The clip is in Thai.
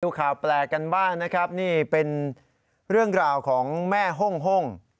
ข่าวแปลกกันบ้างนะครับนี่เป็นเรื่องราวของแม่ห้อง